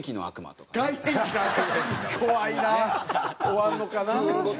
終わんのかな。